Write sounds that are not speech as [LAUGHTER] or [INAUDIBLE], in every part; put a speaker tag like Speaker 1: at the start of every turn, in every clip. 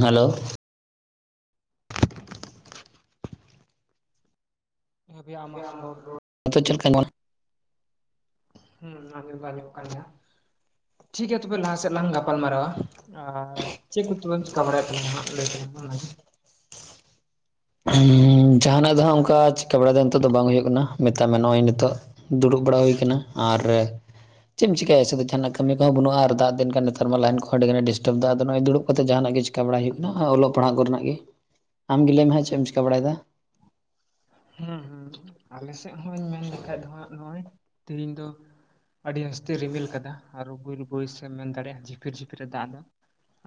Speaker 1: Hello
Speaker 2: [UNINTELLIGIBLE] ᱦᱟᱹᱵᱤ ᱟᱢᱟᱜ ᱨᱚᱲ
Speaker 1: ᱱᱤᱛᱚᱜ ᱪᱮᱫ ᱞᱮᱠᱟ
Speaker 2: ᱦᱩᱸ ᱟᱸᱡᱚᱢ ᱫᱚ ᱟᱸᱡᱚᱢᱚᱜ ᱠᱟᱱ ᱜᱮᱭᱟ ᱴᱷᱤᱠ ᱜᱮᱭᱟ ᱛᱚᱵᱮ ᱞᱟᱦᱟ ᱥᱮᱫ ᱞᱟᱝ ᱜᱟᱯᱟᱞ ᱢᱟᱨᱟᱨᱟᱣᱟ ᱟᱨ ᱪᱮᱫ ᱠᱚ ᱛᱚᱵᱮᱢ ᱪᱤᱠᱟ ᱵᱟᱲᱟᱭᱮᱫ ᱛᱟᱞᱟᱝᱟ ᱦᱟᱸᱜ ᱞᱟᱹᱭ ᱛᱟᱞᱟᱝ ᱢᱮ ᱚᱱᱟᱜᱮ
Speaker 1: ᱩᱸ ᱡᱟᱸᱦᱟᱱᱟᱜ ᱫᱚ ᱦᱟᱸᱜ ᱚᱱᱠᱟ ᱪᱤᱠᱟᱹ ᱵᱟᱲᱟ ᱫᱚ ᱱᱤᱛᱚᱜ ᱫᱚ ᱵᱟᱝ ᱦᱩᱭᱩᱜ ᱠᱟᱱᱟ ᱢᱮᱛᱟᱜ ᱢᱮ ᱱᱚᱜᱼᱚᱭ ᱱᱤᱛᱚᱜ ᱫᱩᱲᱩᱵ ᱵᱟᱲᱟ ᱦᱩᱭ ᱠᱟᱱᱟ ᱟᱨ ᱪᱮᱫ ᱮᱢ ᱪᱤᱠᱟᱭᱟ ᱥᱩᱫᱩ ᱡᱟᱦᱟᱱᱟᱜ ᱠᱟᱹᱢᱤ ᱠᱚᱦᱚᱸ ᱵᱟᱹᱱᱩᱜᱼᱟ ᱟᱨ ᱫᱟᱜ ᱫᱤᱱ ᱠᱷᱟᱱ ᱱᱮᱛᱟᱨ ᱢᱟ ᱞᱟᱭᱤᱱ ᱠᱚᱦᱚᱸ ᱟᱹᱰᱤ ᱜᱟᱱ ᱰᱤᱥᱴᱟᱵ ᱮᱫᱟ ᱟᱫᱚ ᱱᱚᱜ-ᱚᱭ ᱫᱩᱲᱩᱵ ᱠᱟᱛᱮᱫ ᱡᱟᱦᱟᱱᱟᱜ ᱜᱮ ᱪᱤᱠᱟᱹ ᱪᱮᱠᱟ ᱵᱟᱲᱟᱭ ᱦᱩᱭᱩᱜ ᱠᱟᱱᱟ, ᱚᱞᱚᱜ ᱯᱟᱲᱦᱟᱜ ᱠᱚᱨᱮᱱᱟᱜ ᱜᱮ ᱟᱢ ᱜᱮ ᱞᱟᱹᱭᱢᱮ ᱡᱟᱸᱜᱟ ᱪᱮ ᱪᱮᱫ ᱮᱢ ᱪᱤᱠᱟᱹ ᱵᱟᱲᱟᱭᱫᱟ
Speaker 2: ᱦᱩᱸ ᱦᱩᱸ ᱟᱞᱮ ᱥᱮᱫ ᱦᱚᱸᱧ ᱢᱮᱱ ᱞᱮᱠᱷᱷᱟᱡ ᱫᱚ ᱦᱟᱸᱜ ᱱᱚᱜᱼᱚᱭ ᱛᱮᱦᱮᱧ ᱫᱚ ᱟᱹᱰᱤ ᱟᱥᱛᱮ ᱨᱤᱢᱤᱞ ᱠᱟᱫᱟ ᱟᱨᱚ [UNINTELLIGIBLE] ᱮᱢ ᱢᱮᱱ ᱫᱟᱲᱮᱭᱟᱜᱼᱟ ᱡᱷᱤᱯᱤᱨ ᱡᱷᱤᱯᱤᱨ ᱮ ᱫᱟᱜ ᱫᱟ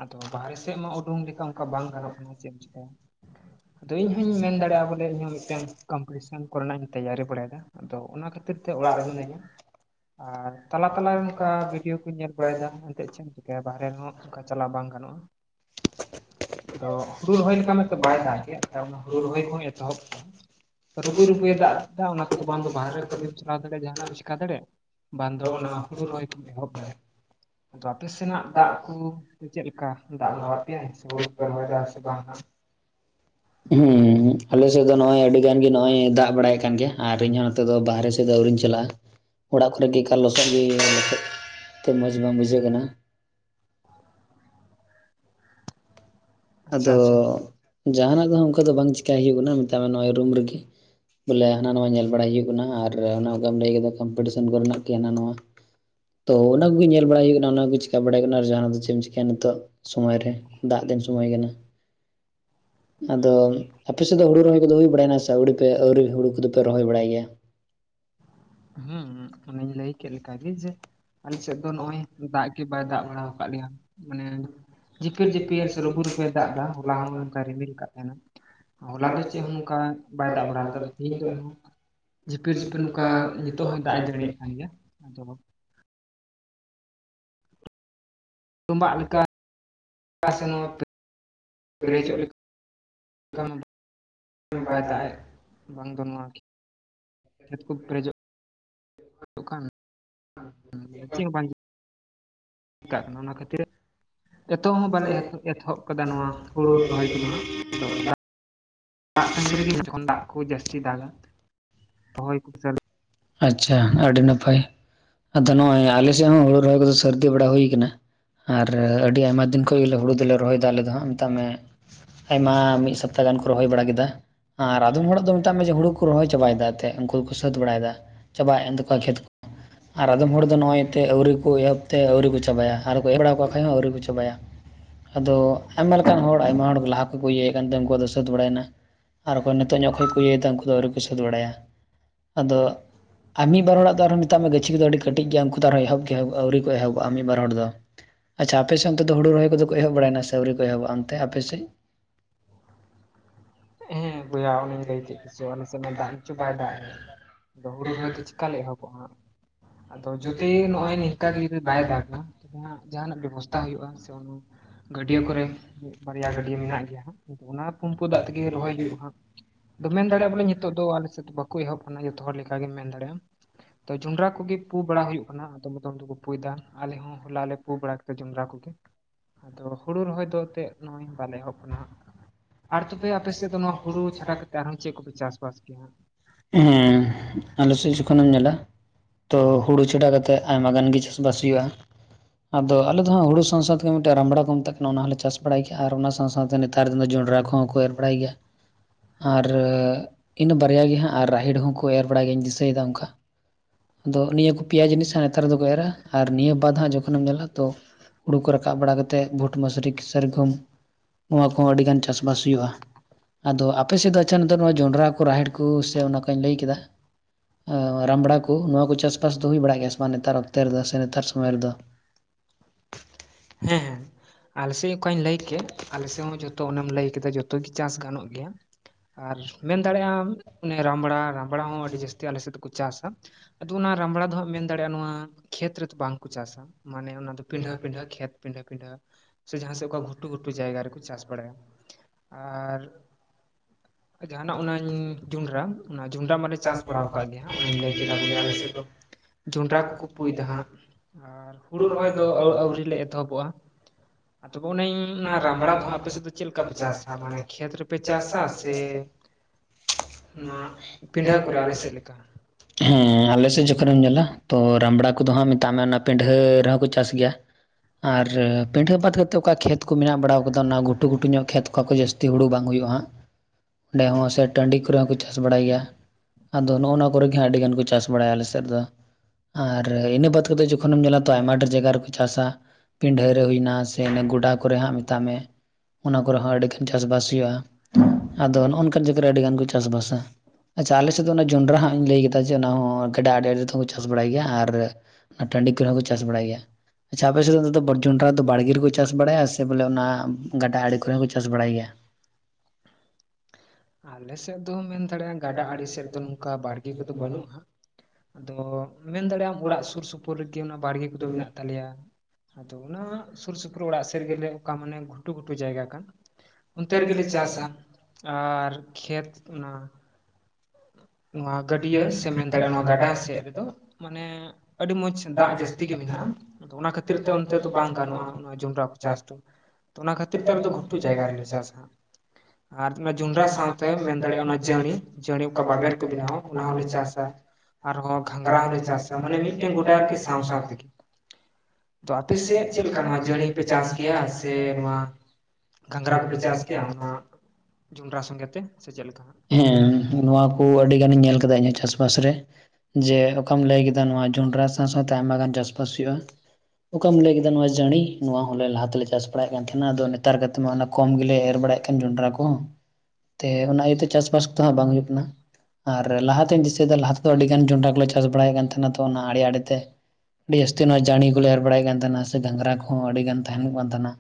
Speaker 2: ᱟᱫᱚ ᱵᱟᱦᱨᱮ ᱥᱮᱫ ᱢᱟ ᱩᱰᱩᱝ ᱞᱮᱠᱟ ᱚᱱᱠᱟ ᱵᱟᱝ ᱜᱟᱱᱚᱜ ᱠᱟᱱᱟ ᱪᱮᱫ ᱮᱢ ᱪᱤᱠᱟᱹᱭᱟ ᱟᱫᱚ ᱤᱧᱦᱚᱧ ᱢᱮᱱ ᱫᱟᱲᱮᱭᱟᱜᱼᱟ ᱵᱚᱞᱮ ᱤᱧᱦᱚᱸ ᱢᱤᱫᱴᱮᱱ ᱠᱚᱢᱯᱤᱴᱤᱥᱚᱱ ᱠᱚᱨᱮᱱᱟᱜ ᱤᱧ ᱛᱮᱭᱟᱨᱤ ᱵᱟᱲᱟᱭᱮᱫᱟ ᱟᱫᱚ ᱚᱱᱟ ᱠᱷᱟᱹᱛᱤᱨ ᱛᱮ ᱚᱲᱟᱜ ᱨᱮ ᱢᱤᱱᱟᱹᱧ ᱟᱨ ᱛᱟᱞᱟ ᱛᱟᱟᱞᱟᱨᱮ ᱚᱱᱠᱟ ᱵᱷᱤᱰᱭᱳ ᱠᱩᱧ ᱧᱮᱞ ᱵᱟᱲᱟᱭᱟ ᱮᱱᱛᱮᱫ ᱪᱮᱫ [UNINTELLIGIBLE] ᱵᱟᱦᱨᱮ ᱨᱮᱦᱚᱸ ᱚᱱᱠᱟ ᱪᱟᱞᱟᱣ ᱵᱟᱝ ᱜᱟᱱᱚᱜᱼᱟ ᱟᱫᱚ ᱦᱩᱲᱩ ᱨᱚᱦᱚᱭ ᱞᱮᱠᱟ ᱢᱟ ᱛᱚ ᱵᱟᱭ ᱫᱟᱜ ᱜᱮᱛ ᱟᱠᱷᱟᱡ ᱚᱱᱟ ᱦᱩᱲᱩ ᱨᱚᱦᱚᱭ ᱠᱚᱦᱚᱸ ᱮᱛᱚᱦᱚᱵ ᱠᱚᱜ-ᱟ ᱨᱩᱵᱩᱭ ᱨᱩᱵᱩᱭ ᱫᱟᱜ ᱮᱫᱟ ᱚᱱᱟ ᱛᱮᱫ ᱵᱟᱝ ᱫᱚ ᱵᱟᱦᱨᱮ ᱠᱟᱹᱢᱤᱢ ᱪᱟᱞᱟᱣ ᱫᱟᱲᱮᱭᱟᱜᱼᱟ ᱡᱟᱦᱟᱱᱟᱜ ᱮᱢ [UNINTELLIGIBLE] ᱫᱟᱲᱮᱜ ᱵᱟᱝ ᱫᱚ ᱚᱱᱟ ᱦᱩᱲᱩ ᱨᱚᱦᱚᱭ ᱠᱚᱢ ᱮᱦᱚᱵ ᱫᱟᱲᱮᱜ
Speaker 1: [INAUDIBLE]
Speaker 2: ᱪᱮᱫ ᱞᱮᱠᱟ ᱫᱟᱜ ᱵᱟᱲᱟᱣᱟᱫ
Speaker 1: ᱦᱮ
Speaker 2: ᱯᱮᱭᱟᱭ ᱥᱮ
Speaker 1: ᱦᱩᱲᱩ ᱯᱮ
Speaker 2: ᱠᱚᱯᱮ
Speaker 1: ᱨᱚᱦᱚᱭ
Speaker 2: ᱨᱚᱦᱚᱭᱮᱫᱟ
Speaker 1: ᱫᱟ ᱥᱮ ᱵᱟᱝ ᱦᱟᱜ
Speaker 2: ᱦᱟᱸᱜ
Speaker 1: ᱦᱩᱸ ᱟᱞᱮᱥᱮᱫ ᱫᱚ ᱱᱚᱜᱼᱚᱭ ᱟᱹᱰᱤ ᱜᱟᱱ ᱜᱮ ᱱᱚᱜᱼᱚᱭ ᱫᱟᱜ ᱵᱟᱲᱟᱭᱮᱫ ᱠᱟᱱ ᱜᱮᱭᱟ ᱟᱨ ᱤᱧᱦᱚᱸ ᱱᱚᱛᱮ ᱫᱚ ᱵᱟᱦᱨᱮ ᱥᱮᱫ ᱫᱚ ᱟᱹᱣᱨᱤᱧ ᱪᱟᱞᱟᱜᱼᱟ ᱚᱲᱟᱜ ᱠᱚᱨᱮ ᱜᱮ ᱮᱠᱟᱞ ᱞᱚᱥᱚᱫ ᱜᱮ ᱞᱚᱥᱟᱫ ᱛᱮ ᱢᱚᱸᱡᱽ ᱵᱟᱝ ᱵᱩᱡᱷᱟᱹᱜ ᱠᱟᱱᱟ
Speaker 2: ᱟᱪᱪᱷᱟ
Speaker 1: ᱟᱫᱚ
Speaker 2: ᱟᱪᱪᱷᱟ
Speaker 1: ᱡᱟᱦᱟᱱᱟᱜ ᱫᱚ ᱚᱱᱠᱟ ᱫᱚ ᱵᱟᱝ ᱪᱤᱠᱟᱭ ᱦᱩᱭᱩᱜ ᱠᱟᱱᱟ ᱢᱮᱛᱟᱜ ᱢᱮ ᱱᱚᱜᱼᱚᱭ ᱨᱩᱢ ᱨᱮᱜᱮ ᱵᱚᱞᱮ ᱦᱟᱱᱟ ᱱᱟ ᱧᱮᱞ ᱵᱟᱲᱟᱟᱭ ᱦᱩᱭᱩᱜ ᱠᱟᱱᱟ ᱟᱨ ᱚᱱᱟᱢ ᱞᱟᱹᱭ ᱠᱮᱫᱟ ᱠᱟᱢᱯᱤᱴᱮᱥᱼ [UNINTELLIGIBLE] ᱠᱚᱨᱮᱱᱟᱜ ᱜᱮ ᱦᱟᱱᱟ ᱱᱚᱣᱟ ᱛᱚ ᱚᱱᱟ ᱠᱚᱜᱮ ᱧᱮᱞ ᱵᱟᱲᱟ ᱦᱩᱭᱩᱜ ᱠᱟᱱᱟ ᱚᱱᱟ ᱠᱚᱜᱮ ᱪᱮᱠᱟ ᱵᱟᱲᱟᱭ ᱦᱩᱭᱩᱜ ᱠᱟᱱᱟ ᱟᱨ ᱡᱟᱦᱟᱸ ᱫᱚ ᱪᱮᱫ ᱮᱢ ᱪᱤᱠᱟᱭᱭᱟ ᱱᱤᱛᱚᱜ ᱥᱚᱢᱚᱭ ᱨᱮ ᱫᱟᱜ ᱫᱤᱱ [INAUDIBLE] ᱠᱟᱱᱟ ᱟᱫᱚᱼ ᱟᱯᱮ ᱥᱮᱫ ᱫᱚ ᱦᱩᱲᱩ ᱨᱚᱦᱚᱭ ᱠᱚᱫᱚ ᱦᱩᱭ ᱵᱟᱲᱟᱭᱱᱟ ᱥᱮ ᱟᱹᱣᱲᱤ ᱯᱮ ᱟᱹᱣᱨᱤ ᱦᱩᱲᱩ ᱠᱚᱫᱚᱯᱮ ᱨᱚᱦᱚᱭ ᱵᱟᱲᱟᱭ ᱜᱮᱭᱟ
Speaker 2: ᱦᱮᱸ ᱚᱱᱟᱮᱧ ᱞᱟᱹᱭ ᱠᱮᱫ ᱞᱮ ᱞᱮᱠᱟ ᱜᱮ ᱡᱮ ᱟᱞ ᱥᱮᱫ ᱫᱚ ᱱᱚᱜᱼᱚᱭ ᱫᱟᱜ ᱜᱮ ᱵᱟᱭ ᱫᱟᱜ ᱵᱟᱲᱟ ᱟᱠᱟᱫ ᱞᱮᱭᱟ ᱢᱟᱱᱮ ᱡᱷᱤᱯᱤᱨ ᱢᱷᱤᱯᱤᱨ ᱥᱮ ᱨᱩᱵᱩᱨᱼ ᱨᱩᱯᱩᱭᱮ ᱫᱟᱜ ᱮᱫᱟ ᱦᱚᱞᱟ ᱦᱚᱸ ᱱᱚᱝᱠᱟᱟᱭ ᱨᱤᱢᱤᱞ ᱟᱠᱟᱫ ᱛᱟᱦᱮᱱᱟ ᱦᱚᱞᱟ ᱫᱚ ᱪᱮᱫ ᱦᱚᱸ ᱱᱚᱝᱠᱟ ᱵᱟᱭ ᱫᱟᱜ ᱵᱟᱲᱟ ᱞᱮᱫᱟ ᱛᱮᱤᱦᱤᱧ ᱫᱚ ᱮᱱᱦᱚᱸ ᱡᱷᱤᱯᱤᱨ ᱡᱷᱤᱯᱤᱨ ᱱᱚᱝᱠᱟ ᱱᱤᱛᱚᱜ ᱦᱚᱸᱭ ᱫᱟᱜ ᱮ ᱡᱟᱹᱲᱤᱭᱮᱫ ᱠᱟᱱ ᱜᱮᱭᱟ ᱟᱫᱚ ᱛᱚᱵᱟᱜ ᱞᱮᱠᱟ ᱥᱮ ᱱᱚᱣᱟ
Speaker 1: [INAUDIBLE]
Speaker 2: ᱚᱱᱠᱟ ᱵᱟᱭ ᱫᱟᱜ ᱮ ᱵᱟᱝ ᱫᱚ [INAUDIBLE] ᱱᱚᱣᱟ ᱠᱷᱮᱛ ᱠᱚ ᱯᱨᱮᱡᱚᱜ ᱫᱚᱠᱟᱱ [INAUDIBLE] ᱪᱮᱫ ᱦᱚ ᱵᱟᱝ [UNINTELLIGIBLE] ᱚᱱᱟ ᱠᱷᱟᱹᱛᱤᱨ ᱮᱛᱚᱦᱚᱵ ᱵᱟᱞᱮ ᱮᱛᱚᱦ ᱮᱛᱚᱦᱚᱵ ᱟᱠᱟᱫᱟ ᱱᱚᱣᱟ ᱦᱩᱲᱩ ᱨᱚᱦᱚᱭ ᱠᱚᱫᱚ ᱦᱟᱸᱜ
Speaker 1: [INAUDIBLE] [INAUDIBLE]
Speaker 2: ᱫᱟᱜ ᱛᱟᱺᱜᱤ ᱨᱮᱜᱮ ᱡᱚᱠᱷᱚᱱ ᱫᱟᱜ ᱠᱚ ᱡᱟᱹᱥᱛᱤ ᱫᱟᱜᱟ ᱨᱚᱦᱚᱭ ᱠᱚ ᱪᱟᱹᱞᱩ
Speaker 1: ᱟᱪᱪᱷᱟ ᱟᱹᱰᱤ ᱱᱟᱯᱟᱭ ᱟᱫᱚ ᱱᱚᱜᱼᱚᱭ ᱟᱞᱮ [UNINTELLIGIBLE] ᱦᱩᱲᱩ ᱨᱚᱦᱚᱭ ᱠᱚᱫᱚ ᱥᱟᱨᱫᱤ ᱵᱟᱲᱟ ᱦᱩᱭ ᱠᱟᱱᱟ ᱟᱨ ᱟᱹᱰᱤ ᱟᱭᱢᱟ ᱫᱤᱱ ᱠᱷᱚᱱᱚᱡ ᱜᱮᱞᱮ ᱦᱩᱲᱩ ᱫᱚᱞᱮ ᱨᱚᱦᱚᱭᱫᱟ ᱟᱞᱮ ᱫᱚ ᱦᱟᱸᱜ ᱢᱮᱛᱟᱜ ᱢᱮ ᱟᱭᱢᱟ ᱢᱤᱫ ᱥᱚᱯᱛᱟ ᱜᱟᱱ ᱠᱚ ᱨᱚᱦᱚᱭ ᱵᱟᱲᱟ ᱠᱮᱫᱟ ᱟᱨ ᱟᱫᱚᱢ ᱦᱚᱲ ᱫᱚ ᱢᱮᱛᱟᱜ ᱢᱮ ᱡᱮ ᱦᱩᱲᱩ ᱠᱚ ᱨᱚᱦᱚᱭ ᱪᱟᱵᱟᱭᱮᱫᱟ ᱮᱱᱮᱫ ᱩᱱᱠᱩ ᱠᱚ ᱥᱟᱹᱛ ᱵᱟᱲᱟᱭᱮᱫᱟ ᱪᱟᱵᱟᱭ ᱮ ᱛᱟᱠᱚᱣᱟ ᱠᱷᱮᱛ ᱟᱨ ᱟᱫᱚᱢ ᱦᱚᱲ ᱫᱚ ᱱᱚᱜᱼᱚᱭ ᱮᱛᱮᱜ ᱟᱹᱣᱨᱤ ᱠᱚ ᱮᱦᱚᱵ, ᱛᱮ ᱟᱹᱣᱨᱤ ᱠᱚ ᱪᱟᱵᱟᱭᱟ ᱟᱨᱠᱚ [UNINTELLIGIBLE] ᱵᱟᱲᱟ ᱠᱟᱜ ᱠᱷᱚᱡ ᱦᱚᱸ ᱟᱹᱣᱨᱤ ᱠᱚ ᱪᱟᱵᱟᱭᱟ ᱟᱫᱚ ᱟᱭᱢᱟ ᱞᱮᱠᱟᱱ ᱦᱚᱲ ᱟᱭᱢᱟ ᱦᱚᱲ ᱞᱟᱦᱟ ᱠᱚᱠᱚ ᱤᱭᱟᱹᱭᱮᱫ ᱠᱟᱱ ᱛᱟᱦᱮᱸ ᱩᱱᱠᱩ ᱫᱚ ᱥᱟᱹᱛ ᱵᱟᱲᱟᱭᱮᱱᱟ ᱟᱨ ᱚᱠᱚᱭ ᱱᱤᱛᱚᱜ ᱧᱚᱜ ᱠᱷᱚᱡ ᱠᱚ ᱤᱭᱟᱹ ᱮᱫᱟ ᱩᱱᱠᱩ ᱫᱚ ᱟᱹᱣᱨᱤ ᱠᱚ ᱥᱟᱹᱛ ᱵᱟᱲᱟᱭᱟ ᱟᱫᱚ ᱟᱨ ᱢᱤᱫ ᱵᱟᱨ ᱦᱚᱲᱟᱜ ᱫᱚ ᱟᱨᱦᱚᱸ ᱢᱮᱛᱟᱜ ᱢᱮ ᱜᱟᱹᱪᱷᱤ ᱠᱚᱫᱚ ᱟᱹᱰᱤ ᱠᱟᱹᱴᱤᱡ ᱜᱮᱭᱟ ᱩᱱᱠᱩ ᱫᱚ ᱟᱨᱦᱚᱸ ᱮᱦᱚᱵ ᱜᱮ [UNINTELLIGIBLE] ᱟᱹᱣᱨᱤ ᱠᱚ ᱮᱦᱚᱵᱼᱟ ᱢᱤᱫ ᱵᱟᱨ ᱦᱚᱲ ᱟᱪᱪᱷᱟ ᱟᱯᱮ ᱥᱮᱱᱛᱮ ᱫᱚ ᱦᱩᱲᱩ ᱨᱚᱦᱚᱭ ᱠᱚᱫᱚ ᱠᱚ ᱮᱦᱚᱵ ᱵᱟᱲᱟᱭᱱᱟ ᱥᱮ ᱟᱹᱣᱨᱤ ᱠᱚ ᱮᱦᱚᱵᱟ ᱟᱱᱛᱮ ᱟᱯᱮᱮᱥᱮᱫ
Speaker 2: ᱦᱮᱸ ᱵᱩᱭᱦᱟ ᱚᱱᱮᱧ ᱞᱟᱹᱭᱠᱮ ᱥᱮ ᱚᱞᱮ ᱥᱮᱫ ᱢᱟ ᱫᱟᱜ ᱜᱮᱪᱩ ᱵᱟᱭ ᱫᱟᱜ ᱮᱫ ᱟᱫᱚ ᱦᱩᱲᱩ ᱨᱚᱦᱚᱭ ᱫᱚ ᱪᱤᱠᱟ ᱞᱮ ᱮᱦᱚᱵᱚᱜᱼᱟ ᱟᱫᱚ ᱡᱩᱫᱤ ᱱᱚᱜᱼᱚᱭ ᱱᱤᱝᱠᱟᱹ ᱜᱮ ᱡᱩᱫᱤ ᱵᱟᱭ ᱫᱟᱜᱟ ᱡᱟᱦᱟᱱᱟᱜ ᱵᱮᱵᱚᱥᱛᱷᱟ ᱦᱩᱭᱩᱜᱼᱟ ᱥᱮ [UNINTELLIGIBLE] ᱜᱟᱹᱰᱭᱟᱹ ᱠᱚᱨᱮ ᱢᱤᱫ ᱵᱟᱨᱭᱟ ᱜᱟᱹᱰᱭᱟᱹ ᱢᱮᱱᱟᱜ ᱜᱮᱭᱟ, ᱦᱟᱸ ᱚᱱᱟ ᱯᱩᱢᱯᱩ ᱫᱟᱜ ᱨᱚᱦᱚᱭ ᱦᱩᱭᱩᱜᱼᱟ [UNINTELLIGIBLE] ᱟᱫᱚ ᱢᱮᱱ ᱫᱟᱲᱮᱭᱟᱜᱼᱟ ᱵᱚᱞᱮ ᱱᱤᱛᱚᱜ ᱫᱚ ᱟᱞᱮ ᱥᱮᱫ ᱫᱚ ᱵᱟᱠᱚ ᱮᱦᱚᱵ ᱟᱠᱟᱱᱟ ᱡᱚᱛᱚ ᱦᱚᱲᱠ ᱜᱮᱢ ᱢᱮᱱ ᱫᱟᱲᱮᱭᱟᱜᱼᱟ᱾ ᱛᱚ ᱡᱚᱱᱰᱨᱟ ᱠᱚᱜᱮ ᱯᱩ ᱵᱟᱲᱟ ᱦᱩᱭᱩᱜ ᱠᱟᱱᱟ ᱟᱫᱚ ᱡᱚᱛᱚ ᱦᱚᱲ ᱛᱮ ᱠᱚ ᱯᱩᱭ ᱮᱫᱟ᱾ ᱟᱞᱮ ᱦᱚᱸ ᱦᱚᱞᱟ ᱞᱮ ᱯᱩ ᱵᱟᱲᱟ ᱠᱮᱫᱟ, ᱡᱚᱸᱱᱰᱨᱟ ᱠᱚᱜᱮ᱾ ᱟᱫᱚ ᱦᱩᱲᱩ ᱨᱚᱦᱚᱭ ᱫᱚ ᱛᱮᱜ ᱱᱚᱜᱚᱭ ᱵᱟᱞᱮ ᱮᱦᱚᱵ ᱟᱠᱟᱱᱟ᱾ ᱟᱨ ᱛᱚᱵᱮ ᱟᱯᱮᱥᱮᱫ ᱫᱚ ᱱᱚᱣᱟ ᱦᱩᱲᱩ ᱪᱷᱟᱰᱟ ᱠᱟᱛᱮᱫ ᱟᱨᱦᱚᱸ ᱪᱮᱫ ᱠᱚᱯᱮ ᱪᱟᱥ ᱵᱟᱟᱥ ᱜᱮᱭᱟ᱾ [UNINTELLIGIBLE]
Speaker 1: ᱟᱞ ᱥᱮᱫ ᱡᱚᱠᱷᱚᱱᱮᱢ ᱧᱮᱞᱟ, ᱛᱚ ᱦᱩᱲᱩ ᱪᱷᱟᱰᱟ ᱠᱟᱛᱮᱫ ᱟᱭᱢᱟ ᱜᱟᱱ ᱜᱮ ᱪᱟᱥ ᱵᱟᱥ ᱦᱩᱭᱩᱜᱼᱟ᱾ ᱟᱫᱚ ᱟᱞᱮ ᱫᱚᱜ ᱦᱩᱲᱩ ᱥᱟᱶ ᱥᱟᱶ ᱛᱮ ᱢᱤᱫ ᱨᱟᱢᱲᱟ ᱠᱚ ᱢᱮᱛᱟᱜ ᱠᱟᱱᱟ ᱚᱱᱟ ᱦᱚᱸᱞᱮ ᱪᱟᱥ ᱵᱟᱲᱟᱭ ᱜᱮ᱾ ᱟᱨ ᱚᱱᱟ ᱥᱟᱶ ᱥᱟᱶᱛᱮ ᱱᱮᱛᱟᱨᱤᱱ ᱫᱚ ᱡᱚᱱᱰᱨᱟ ᱠᱚᱦᱚᱸ ᱠᱚ ᱮᱨ ᱵᱟᱲᱟᱭ ᱜᱮᱭᱟ᱾ ᱟᱨ ᱤᱧᱫᱚ ᱵᱟᱨᱭᱟ ᱜᱮ ᱦᱟᱸᱜ ᱟᱨ ᱨᱟᱦᱮᱤᱲ ᱦᱚᱸᱠᱚ ᱮᱨ ᱵᱟᱲᱟᱭ ᱜᱤᱧ ᱫᱤᱥᱟᱹᱭᱮᱫᱟ ᱚᱱᱠᱟ᱾ ᱟᱫᱚ ᱱᱤᱭᱟᱹ ᱠᱚ ᱯᱮᱭᱟ ᱡᱤᱱᱤᱥ ᱱᱮᱛᱟᱨ ᱫᱚᱠᱚ ᱮᱨᱟ, ᱟᱨ ᱱᱤᱭᱟ ᱵᱟᱫᱟᱜ ᱡᱚᱠᱷᱚᱱᱮᱢ ᱧᱮᱞᱟ ᱛᱚ, ᱦᱩᱲᱩ ᱠᱚ ᱨᱟᱠᱟᱵ ᱵᱟᱲᱟ ᱠᱟᱛᱮᱫ ᱵᱷᱩᱴ, ᱢᱥᱨᱤ ᱠᱟᱹᱥᱟᱹᱨᱤ ᱠᱚᱢ ᱱᱚᱣᱟ ᱠᱚᱦᱚᱸ ᱟᱹᱰᱤ ᱜᱟᱱ ᱪᱟᱥ-ᱵᱟᱥ ᱦᱩᱭᱩᱜᱼᱟ᱾ ᱟᱫᱚ ᱟᱯᱮᱥᱮᱫ ᱫᱚ ᱟᱪᱪᱷᱟ ᱱᱤᱛᱚᱜ ᱱᱚᱣᱟ ᱡᱚᱱᱰᱨᱟ ᱠᱚ ᱨᱟᱦᱮᱲ ᱠᱚ ᱥᱮ ᱚᱱᱟ ᱠᱚᱧ ᱞᱟᱹᱭ ᱠᱮᱫᱟ ᱟᱹᱻ ᱨᱟᱢᱲᱟ ᱠᱚ ᱱᱚᱣᱟ ᱠᱚ ᱪᱟᱥ-ᱵᱟᱥ ᱫᱚ ᱦᱩᱭ ᱵᱟᱲᱟᱜ ᱜᱮᱭᱟ ᱥᱮ ᱵᱟᱝ ᱱᱮᱛᱟᱨ ᱚᱠᱛᱮ ᱨᱮᱫᱚ, ᱥᱮ ᱱᱮᱛᱟᱨ ᱥᱚᱢᱚᱭ ᱨᱮᱫᱚ?
Speaker 2: [INAUDIBLE] ᱦᱮᱸ ᱦᱮᱸ [INAUDIBLE] ᱟᱞ ᱥᱤ ᱚᱠᱟᱧ ᱞᱟᱹᱭ ᱠᱮ ᱟᱞᱮ ᱥᱮᱫ ᱦᱚᱸ ᱡᱚᱛᱚ ᱚᱱᱟᱮᱢ ᱞᱟᱹᱭ ᱠᱮᱫᱟ ᱡᱚᱛᱚ ᱜᱮ ᱪᱟᱥ ᱜᱟᱱᱚᱜ ᱜᱮᱭᱟ [INAUDIBLE] ᱟᱨ ᱢᱮᱱ ᱫᱟᱲᱮᱭᱟᱜ-ᱟᱢ ᱚᱱᱮ ᱨᱟᱢᱵᱽᱲᱟ ᱨᱟᱢᱵᱽᱲᱟ ᱦᱚᱸ ᱟᱹᱰᱤ ᱡᱟᱹᱛᱤ ᱟᱞᱮ ᱥᱮᱫ ᱫᱚᱠᱚ ᱪᱟᱥᱟ, ᱟᱫᱚ ᱚᱱᱟ ᱨᱟᱢᱲᱟ ᱫᱚ ᱦᱟᱸᱜ ᱮᱢ ᱢᱮᱱ ᱫᱟᱲᱮᱭᱟᱜᱼᱟ, ᱱᱚᱣᱟ ᱠᱷᱮᱛ ᱨᱮᱫᱚ ᱵᱟᱝᱠᱚ ᱪᱟᱥᱟ᱾ ᱢᱟᱱᱮ ᱚᱱᱟ ᱫᱚ ᱯᱤᱸᱰᱟᱹ ᱯᱤᱸᱰᱟᱹ ᱠᱷᱮᱛ ᱯᱤᱸᱰᱟᱹ ᱯᱤᱸᱰᱟᱹ ᱥᱮ ᱡᱟᱦᱟᱸᱥᱮᱫ ᱚᱠᱟ ᱜᱷᱩᱴᱩ ᱜᱷᱩᱡᱩ ᱡᱟᱭᱜᱟ ᱨᱮ ᱠᱚ ᱾ ᱪᱟᱥ ᱵᱟᱲᱟᱭᱟ, ᱟᱨᱹᱹ ᱡᱟᱦᱟᱱᱟᱜ ᱚᱱᱟ ᱡᱚᱱᱰᱨᱟ, ᱚᱱᱟ ᱡᱚᱱᱰᱨᱟ ᱢᱟᱞᱮ ᱪᱟᱥ ᱵᱟᱲᱟ ᱟᱠᱟᱜ ᱜᱮᱭᱟ ᱚᱱᱟᱧ ᱞᱟᱹᱭ ᱠᱮᱫᱟ ᱵᱚᱞᱮ ᱟᱞᱮ ᱥᱮᱫ ᱫᱚ᱾ ᱡᱚᱱᱰᱨᱟ ᱠᱚᱠᱚ ᱯᱩᱭᱫᱟ ᱦᱟᱸᱜ ᱟᱨ ᱦᱩᱲᱩ ᱨᱚᱦᱚᱭ ᱫᱚ ᱟᱹᱣᱨ ᱞᱮ ᱮᱛᱚᱦᱚᱵᱚᱜᱼᱟ᱾ ᱟᱫᱚ [UNINTELLIGIBLE]
Speaker 1: [INAUDIBLE] ᱪᱟᱥ
Speaker 2: ᱢᱟᱱᱮ ᱠᱷᱮᱛ ᱨᱮᱯᱮ
Speaker 1: [INAUDIBLE] ᱪᱟᱥᱟ ᱥᱮ
Speaker 2: ᱱᱚᱣᱟ
Speaker 1: [INAUDIBLE]
Speaker 2: ᱯᱤᱰᱷᱟᱹ ᱠᱚᱨᱮ ᱟᱞᱮ ᱥᱮᱫ ᱞᱮᱠᱟ
Speaker 1: ᱦᱸ ᱟᱞᱮ ᱥᱮᱡ ᱡᱚᱠᱷᱚᱱ [UNINTELLIGIBLE] ᱧᱮᱞᱟ ᱛᱚ ᱨᱟᱸᱵᱽᱲᱟ ᱠᱚᱫᱚ ᱦᱟᱸᱜ ᱢᱮᱛᱟᱜ ᱢᱮ ᱚᱱᱟ ᱯᱤᱰᱷᱟᱹ ᱨᱮᱦᱚᱸ ᱠᱚ ᱪᱟᱥ ᱜᱮᱭᱟ᱾ ᱟᱨ ᱯᱤᱰᱷᱟᱹ [UNINTELLIGIBLE] ᱚᱠᱟ ᱠᱷᱮᱛ ᱠᱚ ᱢᱮᱱᱟᱜ ᱵᱟᱲᱟ ᱟᱠᱟᱫᱟ ᱚᱱᱟ ᱜᱷᱩᱴᱩ-ᱜᱷᱩᱴᱩ ᱧᱚᱜ ᱠᱷᱮᱛ ᱠᱚ ᱠᱚ ᱡᱟᱹᱥᱛᱤ ᱡᱟᱹᱥᱛᱤ ᱦᱩᱲᱩ ᱵᱟᱝ ᱦᱩᱭᱩᱜᱼᱟ ᱦᱟᱜ [INAUDIBLE] ᱚᱸᱰᱮ ᱦᱚᱸ ᱥᱮ ᱴᱟᱺᱰᱤ ᱠᱚᱨᱮ ᱦᱚᱸᱠᱚ ᱪᱟᱥ ᱵᱟᱲᱟᱭ ᱜᱮᱭᱟ᱾ [INAUDIBLE] ᱟᱫᱚ ᱱᱚᱜᱚᱭ ᱱᱚᱜᱟ ᱠᱚ ᱠᱚᱨᱮ ᱜᱮ ᱦᱟᱜ ᱟᱹᱰᱤ ᱜᱟᱱ ᱠᱚ ᱪᱟᱥ ᱵᱟᱲᱟᱭᱟ ᱟᱞᱮᱥᱮᱫ ᱫᱚ᱾ ᱟᱨ ᱤᱱᱟᱹ ᱵᱟᱫ ᱠᱟᱛᱮ ᱡᱚᱠᱷᱚᱱᱮᱢ ᱧᱮᱞᱟ ᱛᱚ ᱟᱭᱢᱟ ᱰᱷᱮᱨ ᱡᱟᱭᱜᱟ ᱨᱮᱠᱚ ᱪᱟᱥᱟ᱾ ᱯᱤᱸᱰᱷᱟᱹᱨ ᱨᱮ ᱦᱩᱭᱱᱟ ᱮᱸᱰᱮ ᱜᱚᱰᱟ ᱠᱚᱨᱮ ᱦᱟᱜ ᱢᱮᱛᱟᱜ ᱢᱮ [INAUDIBLE] ᱚᱱᱟ ᱠᱚᱨᱮ ᱦᱚᱸ ᱟᱹᱰᱤᱜᱟᱱ ᱪᱟᱥᱵᱟᱥ ᱦᱩᱭᱩᱜᱼᱟ᱾ [UNINTELLIGIBLE] ᱟᱫᱚ ᱱᱚᱜᱚ ᱱᱚᱝᱠᱟᱱ ᱡᱟᱭᱜᱟ ᱨᱮ ᱟᱹᱰᱤ ᱜᱟᱱ ᱠᱚ ᱪᱟᱥ-ᱵᱟᱥᱟ᱾ ᱟᱪᱪᱷᱟ ᱟᱞᱮ ᱥᱮᱫ ᱫᱚ ᱚᱱᱟ ᱡᱚᱸᱰᱨᱟ ᱦᱟᱸᱜ ᱤᱧ ᱞᱟᱹᱭ ᱠᱮᱫᱟ ᱡᱮ ᱚᱱᱟ ᱦᱚᱸ ᱜᱟᱰᱟ ᱟᱹᱰᱮ ᱟᱲᱮ ᱛᱮᱚᱸᱠᱚ ᱪᱟᱥ ᱵᱟᱲᱟᱭ ᱜᱮᱭᱟ᱾ ᱟᱨ [UNINTELLIGIBLE] ᱴᱟᱺᱰᱤ ᱠᱚᱨᱮ ᱦᱚᱸ ᱠᱚ ᱪᱟᱥ ᱵᱟᱲᱟᱭ ᱜᱮᱭᱟ᱾ [INAUDIBLE] ᱟᱪᱪᱷᱟ ᱟᱯᱮ ᱥᱮᱫ ᱫᱚ ᱡᱚᱱᱰᱨᱟ ᱫᱚ ᱵᱟᱲᱜᱮ ᱨᱮᱠᱚ ᱪᱟᱥ ᱵᱟᱲᱟᱭᱟ ᱥᱮ ᱵᱚᱞᱮ ᱚᱱᱟ ᱜᱟᱰᱟ ᱟᱲᱮ ᱠᱚᱨᱮ ᱦᱚᱸ ᱠᱚ ᱪᱟᱥ ᱵᱟᱲᱟᱭ ᱜᱮᱭᱟ?
Speaker 2: ᱟᱞᱮ ᱥᱮᱫ ᱫᱚ ᱢᱮᱱ ᱫᱟᱲᱮᱭᱟᱜᱼᱟᱢ ᱜᱟᱰᱟ ᱟᱲᱮ ᱥᱮᱫ ᱫᱚ ᱱᱚᱝᱠᱟ ᱵᱟᱲᱜᱮ ᱠᱚᱫᱚ ᱵᱟᱹᱱᱩᱜᱼᱟ᱾ ᱟᱫᱚ ᱢᱮᱱ ᱫᱟᱲᱮᱭᱟᱜ-ᱟᱢ ᱚᱲᱟᱜ ᱥᱩᱨ ᱥᱩᱯᱩᱨ ᱨᱮᱜᱮ ᱚᱱᱟ ᱵᱟᱲᱜᱮ ᱠᱚᱫᱚ ᱢᱮᱱᱟᱜ ᱛᱟᱞᱮᱭᱟ᱾ ᱟᱫᱚ ᱚᱱᱟ ᱥᱩᱨ ᱥᱩᱯᱩᱨ ᱚᱲᱟᱜ ᱥᱮᱫ ᱨᱮ ᱜᱮᱞᱮ ᱚᱠᱟ ᱢᱟᱱᱮ ᱜᱷᱩᱴᱩ-ᱜᱷᱩᱴᱩ ᱡᱟᱭᱜᱟ ᱠᱟᱱ᱾ ᱚᱱᱛᱮ ᱨᱮᱜᱮᱞᱮ ᱪᱟᱥ-ᱟ [INAUDIBLE] ᱟᱨ ᱠᱷᱮᱛ ᱚᱱᱟ ᱱᱚᱣᱟ ᱜᱟᱹᱰᱤᱭᱟᱹ ᱥᱮ ᱢᱮᱱ ᱫᱟᱲᱮᱭᱟᱜᱼᱟᱢ ᱱᱚᱣᱟ ᱜᱟᱰᱟ ᱥᱮᱫ ᱨᱮᱫᱚ ᱢᱟᱱᱮ ᱟᱹᱰᱤ ᱢᱚᱸᱡᱽ ᱫᱟᱜ ᱡᱟᱹᱥᱛᱤ ᱜᱮ ᱢᱮᱱᱟᱜ-ᱟ [INAUDIBLE] ᱟᱫᱚ ᱚᱱᱟ ᱠᱷᱟᱹᱛᱤᱨ ᱛᱮ ᱚᱱᱛᱮ ᱫᱚ ᱵᱟᱝ ᱜᱟᱱᱚᱜᱼᱟ ᱚᱱᱟ ᱡᱚᱸᱰᱨᱟ ᱠᱚ ᱪᱟᱥ᱾ ᱛᱚ ᱚᱱᱟ ᱠᱷᱟᱹᱛᱤᱨ ᱛᱮ ᱟᱞᱮ ᱫᱚ ᱜᱷᱩᱴᱩ ᱡᱟᱭᱜᱟ ᱨᱮᱞᱮ ᱪᱟᱥᱟ᱾ ᱟᱨ ᱡᱚᱸᱰᱨᱟ ᱥᱟᱶᱛᱮ ᱢᱮᱱ ᱫᱟᱲᱮᱭᱟᱜᱼᱟᱢ ᱚᱱᱟ ᱡᱟᱹᱱᱤ, ᱡᱟᱹᱲᱤ ᱚᱠᱟ ᱵᱟᱵᱮᱨ ᱠᱚ ᱠᱚ ᱵᱮᱱᱟᱣ ᱚᱱᱟ ᱦᱚᱸᱞᱮ ᱪᱟᱥᱟ, [INAUDIBLE] ᱟᱨᱦᱚᱸ ᱜᱷᱟᱸᱨᱟ ᱦᱚᱸᱞᱮ ᱪᱟᱥᱟ ᱢᱟᱱᱮ ᱢᱤᱫᱴᱮᱱ ᱜᱚᱰᱟ ᱟᱨᱠᱤ ᱥᱟᱶ ᱥᱟᱶ ᱛᱮᱜᱮ᱾ [INAUDIBLE] ᱛᱚ ᱟᱯᱮ ᱥᱮᱫ ᱪᱮᱫ ᱞᱮᱠᱟ ᱱᱚᱶᱟ ᱡᱟᱹᱲᱤ ᱯᱮ ᱪᱟᱥ ᱠᱮᱭᱟ, ᱥᱮ ᱱᱚᱸᱟ ᱜᱷᱟᱸᱝᱨᱟ ᱠᱚᱯᱮ ᱪᱟᱥ ᱠᱮᱭᱟ ᱚᱱᱟ ᱡᱚᱸᱰᱨᱟ ᱥᱚᱸᱜᱮᱛᱮ ᱥᱮ ᱪᱮᱫ ᱞᱮᱠᱟ ᱦᱟᱜ?
Speaker 1: ᱦᱮᱸ ᱱᱚᱣᱟ
Speaker 2: [UNINTELLIGIBLE]
Speaker 1: ᱠᱚ ᱟᱹᱰᱤ ᱜᱟᱱᱤᱧ ᱧᱮᱞ ᱠᱟᱫᱟ ᱤᱧ ᱦᱚᱸ ᱪᱟᱥ-ᱵᱟᱥ ᱨᱮ [INAUDIBLE] ᱡᱮ ᱚᱠᱟ ᱟᱢ ᱞᱟᱹᱭ ᱠᱮᱫᱟ ᱱᱚᱶᱟ ᱡᱚᱸᱰᱨᱟ ᱥᱟᱶ- ᱥᱟᱶ ᱛᱮ ᱟᱭᱢᱟ ᱜᱟᱱ ᱪᱟᱥ-ᱵᱟᱥ ᱦᱩᱭᱩᱜᱼᱟ ᱚᱠᱟᱢ ᱞᱟᱹᱭ ᱠᱮᱫᱟ ᱱᱚᱶᱟ ᱡᱟᱹᱲᱤ ᱱᱚᱶᱟ ᱦᱚᱸᱞᱮ ᱞᱟᱦᱟ ᱛᱮᱞᱮ ᱪᱟᱥ ᱵᱟᱲᱟᱭᱮᱫ ᱠᱟᱱ ᱛᱟᱦᱮᱱᱟ ᱟᱫᱚ ᱱᱮ ᱛᱟᱨ ᱠᱟᱛᱮ ᱢᱟ ᱚᱱᱟ ᱠᱚᱢ ᱜᱮᱞᱮ ᱮᱨ ᱵᱟᱲᱟᱭᱮᱫ ᱠᱟᱱ ᱡᱚᱱᱰᱨᱟ ᱠᱚᱸ᱾ ᱛᱮ ᱚᱱᱟ ᱤᱭᱟᱹᱛᱮ ᱪᱟᱥ-ᱵᱟᱥ ᱠᱚᱫᱚ ᱦᱟᱸᱜ ᱵᱟᱝ ᱦᱩᱭᱩᱜ ᱠᱟᱱᱟ᱾ ᱟᱨ ᱞᱟᱦᱟ ᱛᱮᱧ ᱫᱤᱥᱟᱹᱭ ᱫᱟ ᱞᱟᱦᱟ ᱛᱮᱫᱚ ᱟᱹᱰᱤᱜᱟᱱ ᱡᱚᱸᱰᱨᱟ ᱠᱚᱞᱮ ᱪᱟᱥ ᱵᱟᱲᱟᱭᱮᱫ ᱠᱟᱱ ᱛᱟᱦᱮᱱᱟ ᱛᱚ ᱚᱱᱟ ᱟᱲᱮ-ᱟᱲᱮᱛᱮ᱾ [UNINTELLIGIBLE] ᱱᱚᱣᱟ ᱡᱟᱹᱲᱤ ᱠᱚᱞᱮ ᱮᱨ ᱵᱟᱲᱟᱭᱮᱫ ᱠᱟᱱ ᱛᱟᱦᱮᱱᱟ ᱥᱮ ᱜᱷᱟᱝᱨᱟ ᱠᱚᱦᱚᱸ ᱟᱹᱰᱤ ᱜᱟᱱ ᱛᱟᱦᱮᱱ ᱠᱟᱱ ᱛᱟᱦᱮᱱᱟ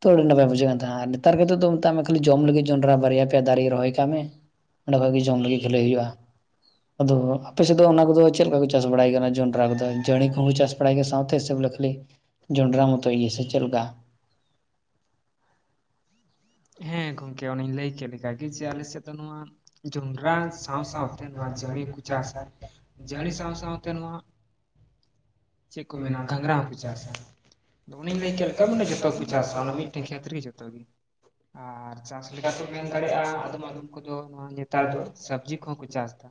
Speaker 1: ᱛᱚ ᱟᱹᱰᱤ ᱱᱟᱯᱟᱭ ᱵᱩᱡᱷᱟᱹᱜ ᱠᱟᱱ ᱛᱟᱦᱮᱸᱜᱼᱟ ᱱᱮᱛᱟᱨ ᱠᱟᱛᱮᱫ ᱫᱚ ᱢᱮᱛᱟᱜ ᱢᱮ ᱠᱷᱟᱹᱤ ᱡᱚᱢ ᱞᱟᱹᱜᱤᱫ ᱡᱚᱸᱰᱨᱟ ᱵᱟᱨᱭᱟ ᱯᱮᱭᱟ ᱫᱟᱨᱮ ᱨᱚᱦᱚᱭ ᱠᱟᱜ ᱢᱮ ᱵᱷᱟᱹᱜᱤ ᱡᱚᱜ
Speaker 2: [UNINTELLIGIBLE]
Speaker 1: ᱟᱫᱚ ᱟᱯᱮ ᱥᱮᱫ ᱫᱚ ᱚᱱᱟ ᱠᱚᱫᱚ ᱪᱮᱫ ᱞᱮᱠᱟ ᱠᱚ ᱪᱟᱥ ᱵᱟᱲᱟᱭ ᱠᱟᱱᱟ ᱡᱚᱸᱰᱨᱟ ᱠᱚᱫᱚ ᱡᱟᱹᱲᱤ ᱠᱚᱦᱚᱸ ᱪᱟᱥ ᱵᱟᱲᱟᱭ ᱜᱮ ᱥᱟᱶ ᱛᱮ ᱥᱮ ᱵᱚᱞᱮ ᱠᱷᱟ. ᱞᱤ ᱡᱚᱸᱰᱨᱟ ᱢᱚᱛᱚ ᱜᱮ ᱥᱮ ᱪᱮᱞᱮᱠᱟ?
Speaker 2: ᱦᱮᱸ, ᱜᱚᱝᱠᱮ ᱚᱱᱮᱧ ᱞᱟᱹᱭ ᱠᱮᱫ᱾ ᱞᱮᱠᱟᱜᱮ ᱡᱮ ᱟᱞᱮ ᱥᱮᱫ ᱫᱚ ᱱᱚᱣᱟ ᱡᱚᱸᱰᱨᱟ ᱥᱟᱶ ᱥᱟᱶᱛᱮ ᱱᱚᱣᱟ ᱡᱟᱹᱬᱤ ᱦᱚᱸᱠᱚ ᱪᱟᱥᱼᱟ᱾ ᱡᱟᱹᱲᱤ ᱥᱟᱶ ᱥᱟᱶᱛᱮ ᱱᱚᱣᱟ ᱪᱮᱜ ᱠᱚ ᱢᱮᱱᱟ ᱜᱷᱟᱸᱝᱨᱟ ᱦᱚᱸᱠᱚ ᱪᱟᱥᱟ᱾ ᱟᱫᱚ ᱚᱱᱮᱧ ᱞᱟᱹᱭ ᱠᱮᱫ ᱞᱮᱠᱟ ᱢᱟᱱᱮ ᱡᱚᱛᱚ ᱠᱚ ᱪᱟᱥᱟ, ᱚᱱᱟ ᱢᱤᱫᱴᱮᱱ ᱠᱷᱮᱛ ᱨᱮᱜᱮ ᱡᱚᱛᱚ ᱜᱮ ᱟᱨ ᱪᱟᱥ ᱞᱮᱠᱟ ᱛᱚᱢ ᱢᱮᱱ ᱫᱟᱲᱮᱜᱼᱟ, ᱟᱫᱚᱢᱼᱟᱫᱚᱢ ᱠᱚᱫᱚ ᱱᱚᱮᱟ ᱱᱮᱛᱟᱨ ᱫᱚ ᱥᱟᱵᱽᱡᱤ ᱠᱚᱦᱚᱸ ᱠᱚ ᱪᱟᱥ ᱫᱟ᱾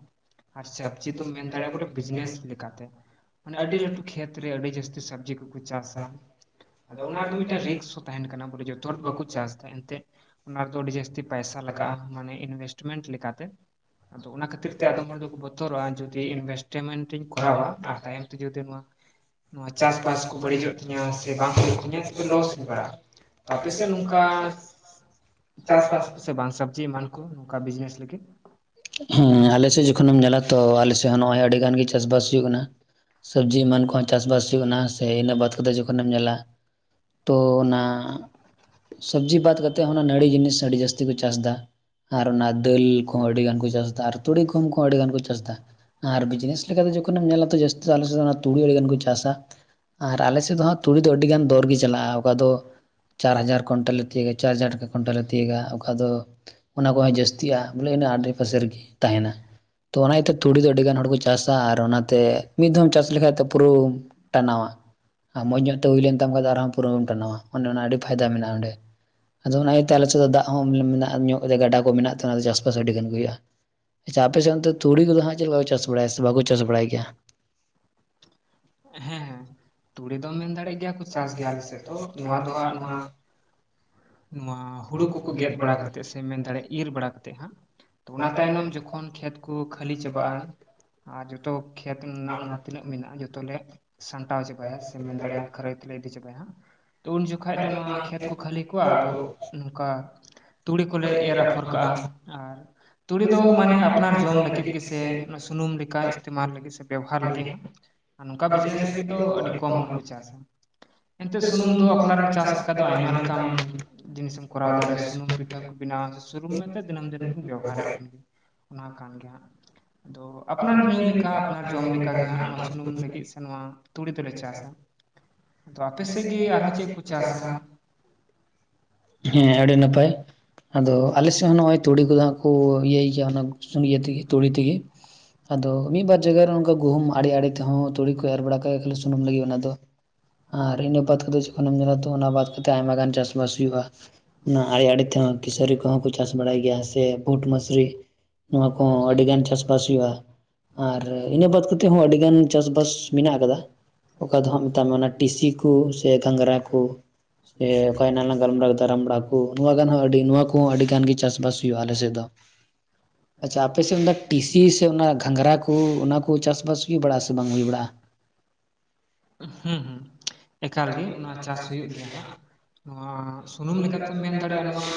Speaker 2: ᱟᱨ ᱥᱟᱵᱡᱤ ᱫᱚᱢ ᱢᱮᱱ ᱫᱟᱲᱮ ᱟ ᱵᱚᱞᱮ ᱵᱤᱡᱽᱱᱮᱥ ᱞᱮᱠᱟᱛᱮ᱾ ᱢᱟᱱᱮ ᱟᱹᱰᱤ ᱞᱟᱹᱴᱷᱩ ᱠᱷᱮᱛ ᱨᱮ ᱟᱹᱰᱤ ᱡᱟᱹᱥᱛᱤ ᱥᱟᱵᱽᱡᱤ ᱠᱩᱠᱩ ᱪᱟᱥᱼᱟ᱾ ᱟᱫᱚ ᱚᱱᱟ ᱨᱮᱫᱚ ᱢᱤᱫᱴᱟᱝ ᱨᱤᱠᱥ ᱦᱚᱸ ᱛᱟᱦᱮᱸᱱ ᱠᱟᱱᱟ ᱵᱚᱞᱮ ᱡᱚᱛᱚ ᱦᱚᱲ ᱫᱚ ᱵᱟᱠᱚ ᱪᱟᱥ ᱫᱟ ᱮᱱᱛᱮᱫ᱾ ᱚᱱᱟ ᱨᱮᱫᱚ ᱟᱹᱰᱤ ᱡᱟᱹᱥᱛᱤ ᱯᱟᱭᱥᱟ ᱞᱟᱜᱟᱜᱼᱟ ᱢᱟᱱᱮ ᱤᱱᱣᱮᱥᱴᱢᱮᱸᱴ ᱞᱮᱠᱟᱛᱮ᱾ ᱟᱫᱚ ᱚᱱᱟ ᱠᱷᱟᱹᱛᱤᱨ ᱛᱮ ᱟᱫᱚᱢ ᱦᱚᱲ ᱫᱚᱠᱚ ᱵᱚᱛᱚᱨᱚᱜᱼᱟ ᱡᱩᱫᱤ ᱤᱱᱵᱷᱮᱥᱴᱢᱮᱸᱴ ᱤᱧ ᱠᱚᱨᱟᱣᱟ ᱟᱨ ᱛᱟᱭᱚᱢ ᱛᱮ ᱡᱩᱫᱤ ᱱᱚᱶᱟ ᱱᱚᱶᱟ ᱪᱟᱥ-ᱵᱟᱥ ᱠᱚ ᱵᱟᱹᱲᱤᱡᱚᱜ ᱛᱤᱧᱟᱹ ᱥᱮ ᱵᱟᱝ ᱦᱩᱭᱩᱜ ᱛᱤᱧᱟᱹ ᱛᱚᱵᱮ ᱞᱚᱥ ᱤᱧ ᱯᱲᱟᱜᱼᱟ᱾ ᱛᱚ ᱟᱯᱮ ᱥᱮᱫ ᱱᱚᱝᱠᱟ
Speaker 1: [UNINTELLIGIBLE]
Speaker 2: ᱪᱟᱥᱵᱟᱥ ᱠᱚᱥᱮ ᱵᱟᱝ ᱥᱚᱵᱽᱡᱤ ᱮᱢᱟᱱ ᱠᱚ ᱱᱚᱝᱠᱟ ᱵᱤᱡᱽᱱᱮᱥ ᱞᱟᱹᱜᱤᱫ
Speaker 1: ᱦᱩᱸ ᱟᱞᱮᱥᱮᱫ ᱡᱚᱠᱷᱚᱱᱮᱢ ᱧᱮᱞᱟ ᱛᱚ ᱟᱞᱮᱥᱮᱫ ᱦᱚᱸ ᱱᱚᱜᱼᱚᱭ ᱟᱹᱰᱤ ᱜᱟᱱ ᱜᱮ ᱪᱟᱥ-ᱵᱟᱥ ᱦᱩᱭᱩᱜ ᱠᱟᱱᱟ᱾ ᱥᱚᱵᱽᱡᱤ ᱮᱢᱟᱱ ᱠᱚᱦᱚᱸ ᱪᱟᱥ-ᱵᱟᱥ ᱦᱩᱭᱩᱜ ᱠᱟᱱᱟ ᱥᱮ ᱤᱱᱟᱹ ᱵᱟᱫᱽ ᱠᱟᱛᱮ ᱡᱚᱠᱷᱚᱱᱮᱢ ᱧᱮᱸᱞᱟ ᱛᱚ ᱚᱱᱟ ᱥᱚᱵᱡᱤ ᱵᱟᱫ ᱠᱟᱛᱮᱜ ᱦᱚᱸ ᱱᱟᱹᱲᱤ ᱡᱤᱱᱤᱥ ᱟᱹᱰᱤ ᱡᱟᱹᱥᱛᱤ ᱠᱚ ᱪᱟᱥ ᱫᱟ᱾ ᱟᱨ ᱚᱱᱟ ᱫᱟᱹᱞ ᱠᱚᱦᱚᱸ ᱟᱹᱰᱤᱜᱟᱱ ᱠᱚ ᱪᱟᱥ ᱫᱟ ᱟᱨ ᱛᱩᱲᱤ ᱠᱷᱩᱝ ᱠᱚ ᱟᱹᱰᱤᱜᱟᱱ ᱠᱚ ᱪᱟᱥ ᱫᱟ᱾ ᱟᱨ ᱵᱤᱡᱽᱱᱮᱥ ᱞᱮᱠᱟᱛᱮ ᱡᱚᱠᱷᱚᱱᱮᱢ ᱧᱮᱞᱟ ᱛᱚ ᱡᱟᱹᱛᱤ ᱟᱞᱮ ᱥᱮᱸᱦᱚᱸ ᱛᱩᱲᱤ ᱟᱹᱲᱤᱜᱟᱱ ᱠᱚ ᱪᱟᱥᱼᱟ᱾ ᱟᱨ ᱟᱞᱮ ᱥᱮᱫ ᱫᱚ ᱦᱟᱸᱜ ᱛᱩᱲᱤ ᱫᱚ ᱟᱹᱰᱤ ᱜᱟᱱ ᱫᱚᱨ ᱜᱮ ᱪᱟᱞᱟᱜᱼᱟ, ᱚᱠᱟ ᱫᱚ ᱪᱟᱨ ᱦᱟᱡᱟᱨ ᱠᱚᱱᱴᱟᱞᱤ ᱤᱭᱟᱹ ᱪᱟᱨ ᱦᱟᱡᱟᱨ ᱴᱟᱠᱟ ᱠᱚᱱᱴᱟᱞᱮ ᱛᱤᱭᱟᱹᱜᱟ ᱚᱠᱟ ᱫᱚ ᱚᱱᱟ ᱠᱚᱦᱚᱸ ᱡᱟᱹᱥᱛᱤᱜᱼᱟ ᱵᱚᱞᱮ ᱚᱱᱟ ᱟᱰᱮ ᱯᱟᱥᱮ ᱨᱮᱜᱤ᱾ ᱛᱟᱦᱮᱸᱱᱟ ᱛᱚ ᱚᱱᱟ ᱤᱭᱟᱹᱛᱮ ᱛᱩᱲᱤ ᱫᱚ ᱟᱹᱰᱤ ᱜᱟᱱ ᱦᱚᱲ ᱠᱚ ᱪᱟᱥᱟ ᱟᱨ ᱚᱱᱟᱛᱮ ᱢᱤᱫ ᱫᱷᱟᱢ ᱪᱟᱥ ᱞᱮᱠᱷᱟᱡ ᱛᱚ
Speaker 2: [INAUDIBLE]
Speaker 1: ᱟ ᱢᱚᱸᱡᱽ ᱧᱚᱜ ᱛᱮ ᱦᱩᱭ ᱞᱮᱱ ᱛᱟᱢ ᱠᱷᱟᱱ ᱫᱚ ᱟᱨᱦᱚᱸ ᱯᱩᱨᱟᱹᱢ ᱴᱟᱱᱟᱣᱟ ᱚᱱᱱᱮ ᱚᱱᱟ ᱟᱹᱰᱤ ᱯᱷᱟᱭᱫᱟ ᱢᱮᱱᱟᱜᱼᱟ ᱚᱸᱰᱮ᱾ ᱟᱫᱚ ᱚᱱᱟ ᱟᱹᱛᱮ ᱟᱞᱮ ᱥᱮ ᱦᱚ ᱫᱟᱜ ᱦᱚᱸ ᱢᱮᱱᱟᱜᱼᱟ ᱧᱚᱜ ᱨᱮ ᱜᱟᱰᱟ ᱠᱚ ᱢᱮᱱᱟᱜ ᱛᱮ ᱚᱱᱟ ᱪᱟᱥᱵᱟᱥ ᱟᱹᱰᱤ ᱜᱟᱱ ᱜᱮ ᱦᱩᱭᱩᱜᱼᱟ᱾ ᱪᱟ ᱟᱯᱮ ᱥᱮ ᱚᱱᱛᱮ ᱛᱩᱲᱤ ᱠᱚᱫᱚ ᱦᱟᱸᱜ ᱪᱮᱞᱠᱟ ᱠᱚ ᱪᱟᱥ ᱵᱟᱲᱟᱭᱟ ᱥᱮ ᱵᱟᱠᱚ ᱪᱟᱥ ᱵᱟᱲᱟᱭ ᱜᱮᱭᱟ᱾
Speaker 2: ᱦᱮᱸ, ᱛᱩᱲᱤ ᱫᱚᱢ ᱢᱮᱱ ᱫᱟᱲᱭᱟᱜ ᱜᱮᱭᱟ ᱠᱩ ᱪᱟᱥ ᱜᱮᱭᱟ ᱟᱞᱮ ᱥᱮᱫ ᱫᱚ ᱱᱚᱣᱟ ᱫᱚ ᱦᱟᱸᱜ ᱱᱚᱣᱟ ᱱᱚᱣᱟ ᱦᱩᱲᱩ ᱠᱩᱠᱩ ᱜᱮᱫ ᱵᱟᱲᱟ ᱠᱟᱛᱮᱫ ᱥᱮ ᱢᱮᱱ ᱫᱟᱲᱮᱭᱟᱜ ᱤᱨ ᱵᱟᱲᱟ ᱠᱟᱛᱮᱫ ᱦᱟᱸᱜ᱾ ᱚᱱᱟ ᱛᱟᱭᱱᱚᱢ ᱡᱚᱠᱷᱚᱱ ᱠᱷᱮᱛ ᱠᱚ ᱠᱷᱟᱹᱞᱤ ᱪᱟᱵᱟᱜᱼᱟ, ᱟᱨ ᱡᱚᱛᱚ ᱠᱷᱮᱛ ᱨᱮᱱᱟᱜ ᱚᱱᱟ ᱛᱤᱱᱟᱹᱜ ᱢᱮᱱᱟᱜᱼᱟ ᱡᱚᱛᱚᱞᱮ ᱥᱟᱢᱴᱟᱣ ᱪᱟᱵᱟᱭᱟ ᱥᱮ ᱢᱮᱱ ᱫᱟᱲᱮᱭᱟᱜᱼᱟ ᱠᱷᱟᱹᱨᱟᱹᱭ ᱛᱮᱞᱮ ᱤᱫᱤ ᱪᱟᱵᱟᱭᱟ ᱦᱟᱸᱜ ᱛᱚ ᱩᱱ ᱡᱚᱠᱷᱷᱟᱡ ᱫᱚ ᱱᱚᱣᱟ ᱠᱷᱮᱛ ᱠᱚ ᱠᱷᱟᱹᱞᱤ ᱠᱚᱣᱟ ᱟᱫᱚ ᱱᱚᱝᱠᱟ ᱛᱩᱲᱤ ᱠᱚᱞᱮ ᱮᱨ ᱟᱯᱷᱚᱨ ᱠᱟᱜᱼᱟ ᱟᱨ ᱛᱩᱲᱤ ᱫᱚ ᱢᱟᱱᱮ ᱟᱯᱱᱟᱨ ᱡᱚᱢ ᱞᱟᱹᱜᱤᱫ ᱜᱮᱥᱮ ᱥᱩᱱᱩᱢ ᱞᱮᱠᱟ ᱤᱥᱛᱮᱢᱟᱞ ᱞᱟᱹᱜᱤᱫ ᱥᱮ ᱵᱮᱵᱚᱦᱟᱨ ᱞᱟᱹᱜᱤᱫ ᱦᱚᱸ ᱟᱨ ᱱᱚᱝᱠᱟ ᱵᱤᱡᱽᱱᱮᱥ ᱞᱟᱹᱜᱤᱫ
Speaker 1: ᱤᱭᱳ ᱟᱹᱰᱤ ᱠᱚᱢ ᱦᱚᱲ᱾
Speaker 2: ᱮᱱᱛᱮ ᱥᱩᱱᱩᱢ ᱫᱚ ᱟᱯᱱᱟᱨᱮᱢ ᱪᱟᱥ ᱞᱮᱠᱟ ᱫᱚ ᱟᱭᱢᱟ ᱞᱮ ᱠᱟᱢ ᱡᱤᱱᱤᱥᱮᱢ ᱠᱚᱨᱟᱣ ᱫᱟᱲᱮ ᱥᱩᱱᱩᱢ ᱯᱤᱴᱷᱟᱹ ᱠᱩ ᱵᱮᱱᱟᱣᱟ ᱥᱮ ᱥᱩᱱᱩᱢ ᱢᱮᱛᱮ ᱫᱤᱱᱟᱹᱢ ᱫᱤᱱ ᱠᱚ ᱵᱮᱣᱦᱟᱨᱮᱜ ᱠᱟᱱ ᱜᱮ᱾ ᱚᱱᱟ ᱠᱟᱱ ᱜᱮᱭᱟ ᱦᱟᱸᱜ, ᱟᱫᱚ ᱟᱯᱱᱟᱨ ᱡᱤ ᱞᱮᱠᱟ ᱟᱯᱱᱟᱨ ᱡᱚᱢ ᱞᱮᱠᱟ ᱜᱮ ᱦᱟᱸᱜ ᱱᱚᱣᱟ ᱥᱩᱱᱩᱢ ᱞᱟᱹᱜᱤᱫ ᱥᱮ ᱱᱚᱣᱟ ᱛᱩᱲᱤ ᱫᱚᱞᱮ ᱪᱟᱥᱟ᱾ ᱛᱳ ᱟᱯᱮ ᱥᱮᱫ ᱜᱮ ᱟᱨᱦᱚᱸ ᱪᱮᱫ ᱠᱚ ᱪᱟᱥᱼᱟ? ᱦᱮᱸ ᱟᱹᱰᱤ ᱱᱟᱯᱟᱭ᱾
Speaker 1: ᱟᱫᱚ ᱟᱞᱮ ᱥᱮᱫ ᱦᱚᱸ ᱱᱚᱜᱼ ᱚᱚᱭ ᱛᱩᱲᱤ ᱠᱚᱫᱚ ᱦᱟᱸᱟᱜ ᱠᱚ ᱤᱭᱟᱹᱭ ᱜᱮᱭᱟ ᱚᱱᱟ ᱤᱭᱟᱹ ᱛᱮᱜᱮ ᱛᱩᱲᱤ ᱛᱮᱜᱮ,
Speaker 2: [INAUDIBLE]
Speaker 1: ᱟᱫᱚ ᱢᱤᱫ ᱵᱟᱨ ᱡᱟᱭᱜᱟ ᱨᱮ ᱠᱟ ᱜᱩᱦᱩᱢ ᱟᱲᱮ ᱟᱲᱮ ᱛᱮᱦᱚᱸ ᱛᱩᱲᱤ ᱠᱚ ᱮᱨ ᱵᱟᱲᱟ ᱠᱟᱜ ᱠᱷᱟᱹᱞᱤ ᱥᱩᱱᱩᱢ ᱞᱟᱹᱜᱤᱫ, ᱚᱱᱟ ᱫᱚ ᱟᱨ ᱤᱱᱟ ᱵᱟᱫ ᱠᱟᱛᱮᱫ ᱡᱚᱠᱦᱚᱱ ᱮᱢ ᱧᱮᱞ ᱟ ᱛᱳ ᱚᱱᱟ ᱵᱟᱫ ᱟᱭᱢᱟ ᱜᱟᱱ ᱪᱟᱥ ᱵᱟᱥ ᱦᱩᱭᱩᱜᱼᱟ ᱚᱱᱟ ᱟᱲᱮ ᱟᱲᱮ ᱛᱮᱦᱚᱸ ᱠᱤᱥᱟᱹᱨᱤ ᱠᱚᱦᱚᱸ ᱠᱚ ᱪᱟᱥ ᱵᱟᱲᱟᱭ ᱜᱮᱭᱟ ᱥᱮ ᱵᱩᱴ ᱢᱟᱥᱨᱤ ᱱᱚᱣᱟ ᱠᱚ ᱟᱹᱰᱤ ᱜᱟᱱ ᱪᱟᱥ ᱪᱟᱥ ᱦᱩᱭᱩᱜᱼᱟ, ᱟᱨ ᱤᱱᱟᱹ ᱵᱟᱫ ᱠᱟᱛᱮᱮᱫ ᱦᱚᱸ ᱟᱹᱰᱤᱜᱟᱱ ᱪᱟᱥᱵᱟᱥ ᱢᱮᱱᱟᱜ ᱠᱟᱫᱟ ᱾ ᱚᱠᱟ ᱫᱚ ᱦᱟᱸᱜ ᱢᱮᱛᱟᱜ ᱢᱮ ᱚᱱᱟ ᱴᱤᱥᱤ ᱠᱩ ᱥᱮ ᱜᱷᱟᱝᱜᱽᱨᱟ ᱠᱩ ᱮ ᱚᱠᱟ ᱮᱱᱟᱜ ᱞᱟᱝ ᱜᱟᱞᱢᱟᱨᱟᱣ ᱠᱮᱫᱟ ᱨᱟᱢᱵᱽᱲᱟ ᱠᱚ ᱱᱚᱣᱟ ᱠᱚᱦᱚᱸ ᱟᱹᱰᱤ ᱜᱟᱱ ᱜᱮ ᱪᱟᱥᱵᱟᱥ ᱦᱩᱭᱩᱜ ᱟᱞᱮᱥᱮᱫ ᱫᱚ᱾
Speaker 2: [INAUDIBLE]
Speaker 1: ᱟᱪᱪᱷᱟ ᱟᱯᱮᱥᱮᱫ ᱚᱱᱟ ᱴᱤᱥᱤ ᱥᱮ ᱚᱱᱟ ᱟᱪᱦᱟ ᱟᱯᱮ ᱥᱮᱱ ᱫᱚ ᱴᱤᱥᱤ ᱥᱮ ᱜᱷᱟᱸᱜᱽᱨᱟ ᱠᱚ ᱚᱱᱟ ᱠᱚ ᱪᱟᱥ ᱵᱟᱟᱥ ᱦᱩᱭ ᱵᱟᱲᱟᱜ ᱟ ᱥᱮ ᱵᱟᱝ ᱦᱩᱭ ᱵᱟᱲᱟᱜᱼᱟ?
Speaker 2: ᱦᱩᱸ ᱦᱩᱸ ᱮᱠᱟᱞ ᱜᱮ ᱚᱱᱟ ᱪᱟᱥ ᱦᱩᱭᱩᱜ ᱜᱮᱭᱟ ᱦᱟᱸᱜ᱾ ᱱᱚᱣᱟ ᱥᱩᱱᱩᱢ ᱞᱮᱠᱟᱛᱮᱢ ᱢᱮᱱ ᱫᱟᱲᱮᱭᱟᱜᱼᱟ ᱱᱚᱣᱟ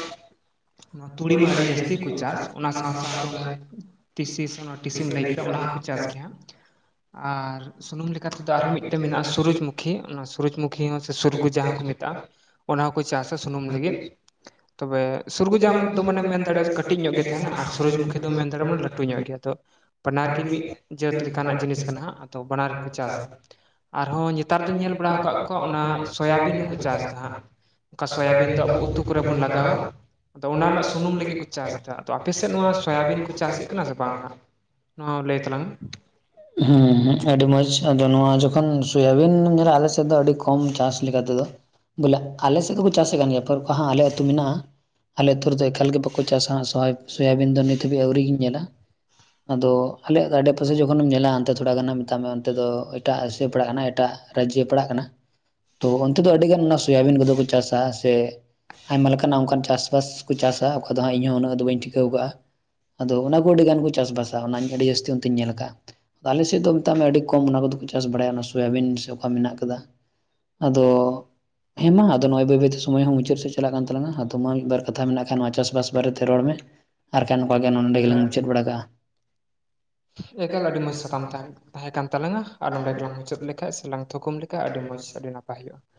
Speaker 2: ᱚᱱᱟ ᱛᱩᱲᱤ ᱢᱟ ᱟᱹᱰᱤ ᱡᱟᱹᱥᱛᱤ ᱠᱚ ᱪᱟᱥ ᱚᱱᱟ ᱥᱟᱶ ᱥᱟᱶᱛᱮ ᱚᱱᱟ ᱴᱤᱥᱤ ᱥᱮ ᱥᱤᱢ ᱮ ᱞᱟᱹᱭ ᱠᱮᱫᱟ ᱚᱱᱟ ᱦᱚᱸᱠᱚ ᱪᱟᱥ ᱜᱮᱭᱟ, ᱟᱨ ᱥᱩᱱᱩᱢ ᱞᱮᱠᱟᱛᱮᱫᱚ ᱟᱨᱦᱚᱸ ᱢᱤᱫᱴᱮᱱ ᱢᱮᱱᱟᱜᱼᱟ ᱥᱩᱨᱡ ᱢᱩᱠᱷᱤ, ᱠᱷᱤ ᱥᱩᱨᱩᱡ ᱢᱩᱠᱷᱤ ᱥᱮ ᱥᱩᱨᱜᱩ ᱡᱟᱦᱟᱸ ᱠᱚ ᱢᱮᱛᱟᱜᱼᱟ ᱚᱱᱟ ᱦᱚᱸᱠᱚ ᱪᱟᱥᱟ ᱥᱩᱱᱩᱢ ᱞᱟᱹᱜᱤᱫ᱾ ᱛᱚᱵᱮ ᱥᱩᱨᱜᱩᱡ ᱟᱢ ᱫᱚ ᱢᱟᱱᱮᱢ ᱢᱮᱱ ᱛᱚᱵᱮ ᱥᱩᱨᱜᱩᱡᱟ ᱫᱚ ᱢᱮᱱ ᱫᱟᱲᱮᱼᱟ ᱠᱟᱹᱴᱤᱡ ᱧᱚᱜ ᱜᱮ ᱛᱟᱦᱮᱱᱟ ᱟᱨ ᱥᱩᱨᱡᱚᱢᱩᱠᱷᱤ ᱫᱚᱢ ᱢᱮᱱ ᱫᱟᱲᱮ ᱟᱜ- ᱟ ᱞᱟᱹᱴᱩ ᱧᱚᱜ ᱜᱮᱭᱟ, ᱛᱚ ᱵᱟᱱᱟᱨ ᱜᱮ ᱢᱤᱫ ᱡᱟᱹᱛ ᱞᱮᱠᱟᱱᱟᱜ ᱡᱤᱱᱤᱥ ᱠᱟᱱᱟ ᱟᱫᱚ ᱵᱟᱱᱟᱨ ᱜᱮ ᱠᱚ ᱪᱟᱥᱟ ᱾ ᱟᱨᱦᱚᱸ ᱱᱮᱛᱟᱨ ᱫᱚᱧ ᱧᱮᱞ ᱵᱟᱲᱟᱭ ᱟᱠᱣᱟᱜ ᱚᱱᱟ ᱥᱳᱭᱟᱵᱤᱱ ᱦᱚᱸᱠᱚ ᱪᱟᱥᱫᱟ ᱦᱟᱸᱜ, ᱚᱱᱠᱟ ᱥᱳᱭᱟᱟᱵᱤᱱ ᱫᱚ ᱟᱵᱚ ᱩᱛᱩ ᱠᱚᱨᱮ ᱵᱚᱱ ᱞᱟᱜᱟᱣᱼᱟ ᱾ ᱟᱫᱚ ᱚᱱᱟ ᱨᱮᱱᱟᱜ ᱥᱩᱱᱩᱢ ᱞᱟᱹᱜᱤᱫ ᱠᱚ ᱛᱚ ᱚᱱᱟ ᱥᱩᱧᱩᱢ ᱞᱟᱹᱜᱤᱫ ᱠᱚ ᱪᱟᱥ ᱮᱫᱟ ᱟᱫᱚ ᱟᱯᱮ ᱥᱮᱫ ᱱᱚᱣᱟ ᱥᱳᱭᱟᱵᱤᱱ ᱠᱚ ᱪᱟᱥᱮᱫ ᱠᱟᱱᱟ ᱥᱮ ᱵᱟᱝ ᱦᱟᱸᱜ? ᱢᱟ ᱞᱟᱹᱭ ᱛᱟᱞᱟᱝ ᱢᱮ
Speaker 1: ᱦᱩᱸ ᱦᱩᱸ ᱟᱹᱰᱤ ᱢᱚᱸᱡᱽ ᱟᱫᱚ ᱱᱚᱣᱟ ᱡᱚᱠᱷᱚᱱ ᱥᱳᱭᱟᱵᱤᱱ ᱫ ᱟᱞ ᱥᱮᱫ ᱫᱚ ᱟᱹᱰᱤ ᱠᱚᱢ ᱪᱟᱥ ᱞᱮᱠᱟ ᱛᱮᱫᱚ ᱵᱚᱞᱮ ᱟᱞᱮ ᱥᱮᱫ ᱫᱚᱠᱚ ᱪᱟᱥᱮᱫ ᱠᱟᱱ ᱜᱮᱭᱟ ᱯᱚᱨ ᱠᱚ ᱟᱞᱮ ᱟᱹᱛᱩ ᱢᱮᱱᱟᱜᱼᱟ᱾ ᱟᱞᱮ ᱟᱹᱛᱩ ᱨᱮᱫᱚ ᱮᱠᱟᱞ ᱜᱮ ᱵᱟᱠᱚ ᱪᱟᱥᱟ ᱥᱳᱵᱤᱱ ᱫᱚ ᱱᱤᱛ ᱦᱟᱹᱵᱤᱡ ᱟᱹᱣᱨᱤ ᱤᱧ ᱧᱮᱞᱟ᱾ ᱟᱫᱚ ᱟᱞᱮᱭᱟᱜ ᱟᱰᱮ ᱯᱟᱥᱮ ᱡᱚᱠᱷᱚᱱᱮᱢ ᱧᱮᱞᱟ ᱛᱷᱚᱲᱟᱟᱱ ᱢᱮᱛᱟᱜ ᱢᱮ ᱚᱱᱛᱮ ᱫᱚ ᱮᱴᱟᱜ ᱟᱥᱮ ᱯᱟᱲᱟᱜ ᱠᱟᱱᱟ, ᱮᱴᱟᱜ ᱨᱟᱡᱽᱡᱚ ᱯᱟᱲᱦᱟᱜ ᱠᱟᱱᱟ, ᱛᱚ ᱚᱱᱛᱮ ᱫᱚ ᱟᱹᱰᱤᱜᱟᱱ ᱥᱚᱳᱵᱤᱱ ᱠᱚᱫᱚ ᱠᱚ ᱪᱟᱥᱟ ᱥᱮ ᱟᱭᱢᱟ ᱞᱮᱠᱟᱱᱟᱜ ᱠᱚ ᱪᱟᱥ ᱵᱟᱥ ᱟᱠᱚ, ᱟᱫᱚ ᱚᱱᱟ ᱠᱚ ᱫᱚ ᱦᱟᱸᱜ ᱤᱧᱦᱚᱸ ᱩᱱᱟᱹᱜ ᱫᱚ ᱵᱟᱹᱧ ᱴᱷᱤᱠ [UNINTELLIGIBLE] ᱟᱫᱚ ᱚᱱᱟ ᱠᱚ ᱟᱹᱰᱤ ᱜᱟᱱ ᱠᱚ ᱪᱟᱥ-ᱵᱟᱥ ᱟ ᱚᱱᱟ ᱟᱹᱰᱤ ᱡᱟᱹᱥᱛᱤ ᱚᱱᱛᱮᱧ ᱧᱮᱞ ᱠᱟᱜᱼᱟ, ᱟᱞᱮ ᱥᱮᱫ ᱫᱚ ᱢᱮᱛᱟᱜ ᱢᱮ ᱟᱹᱰᱤ ᱠᱚᱢ ᱚᱱᱟ ᱠᱚᱫᱚ ᱪᱟᱥ ᱵᱟᱲᱟᱭᱟ ᱚᱱᱟ ᱥᱳᱭᱟᱵᱤᱱ ᱥᱮ ᱚᱠᱟ ᱢᱮᱱᱟᱜ ᱟᱠᱟᱫᱟ᱾ ᱟᱫᱚ
Speaker 2: ᱦᱮᱞᱳ᱾
Speaker 1: ᱦᱮᱸ ᱢᱟ ᱟᱫᱚ ᱱᱚ ᱵᱟᱹᱭ ᱵᱟᱹᱭᱛᱮ ᱥᱚᱢᱚᱭ ᱦᱚᱸ ᱢᱩᱪᱟᱹᱫ ᱥᱮᱫ ᱪᱟᱞᱟᱜ ᱠᱟᱱ ᱛᱟᱝᱱᱟ ᱟᱫᱚ ᱢᱟ ᱢᱤᱫᱵᱟᱨ ᱠᱟᱛᱷᱟ ᱢᱮᱱᱟᱜ ᱠᱷᱟᱱ ᱱᱚᱣᱟ ᱪᱟᱥᱼᱵᱟᱥ ᱵᱟᱨᱮᱛᱮ ᱨᱚᱲ ᱢᱮ᱾ ᱟᱨᱠᱷᱟᱱ ᱚᱱᱠᱟ ᱜᱮ ᱱᱚᱰᱮ
Speaker 2: ᱢᱮ
Speaker 1: ᱜᱮᱞᱞᱤᱝ ᱢᱩᱪᱟᱹᱫ ᱵᱟᱲᱟ ᱠᱟᱜᱼᱟ ᱾
Speaker 2: ᱮᱠᱟᱞ ᱟᱹᱰᱤ ᱢᱚᱸᱡᱽ ᱥᱟᱛᱟᱢ ᱛᱟᱦᱮᱸ ᱠᱟᱱ ᱛᱟᱞᱟᱝᱟ ᱟᱨ ᱱᱚᱸᱰᱮ ᱜᱮᱞᱟᱝ ᱢᱩᱪᱟᱹᱫ ᱞᱮᱠᱷᱟᱡ ᱥᱮ ᱞᱟᱝ ᱛᱷᱚᱚᱠᱢ ᱞᱮᱠ ᱠᱟ ᱟᱹᱰᱤ ᱢᱚᱸᱡᱽ ᱟᱹᱰᱤ ᱱᱟᱯᱟᱭ ᱦᱩᱭᱩᱜᱼᱟ ᱾